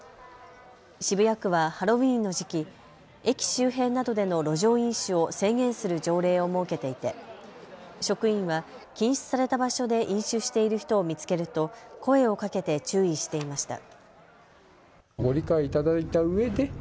渋谷区はハロウィーンの時期、駅周辺などでの路上飲酒を制限する条例を設けていて職員は禁止された場所で飲酒している人を見つけると声をかけて注意していました。